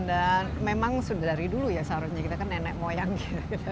dan memang sudah dari dulu ya seharusnya kita kan nenek moyang gitu